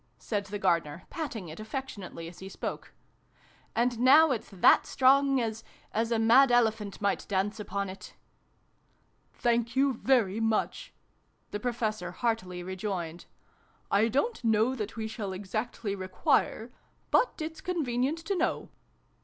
said the Gardener, paUing it affectionately as he spoke. " And now it's that strong, as as a mad elephant might dance upon it !"" Thank you very much !" the Professor heartily rejoined. " I don't know that we shall exactly require but it's convenient to know."